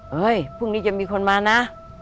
พรุ่งนี้จะมีคนมานะ